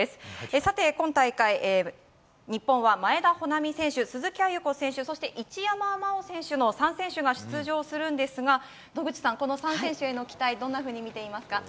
さて今大会、日本は前田穂南選手、鈴木亜由子選手、そして一山麻緒選手の３選手が出場するんですが、野口さん、この３選手への期待、どんなふうに見ていますか。